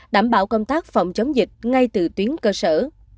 đảm bảo công tác phòng chống dịch ngay từ tuyến cơ sở